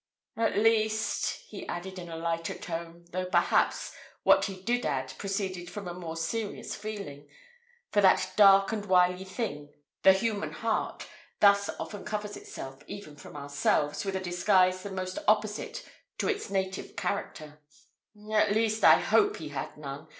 At least," he added in a lighter tone, though, perhaps, what he did add, proceeded from a more serious feeling for that dark and wily thing, the human heart, thus often covers itself, even from ourselves, with a disguise the most opposite to its native character, "at least, I hope he had none.